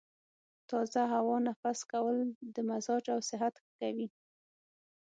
تازه هوا تنفس کول د مزاج او صحت ښه کوي.